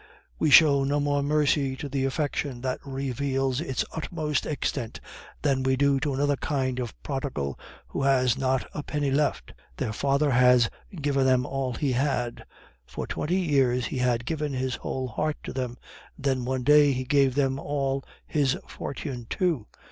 We show no more mercy to the affection that reveals its utmost extent than we do to another kind of prodigal who has not a penny left. Their father had given them all he had. For twenty years he had given his whole heart to them; then, one day, he gave them all his fortune too.